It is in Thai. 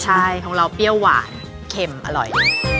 ใช่ของเราเปรี้ยวหวานเข็มอร่อย